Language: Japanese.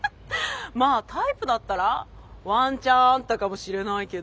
まあタイプだったらワンチャンあったかもしれないけど。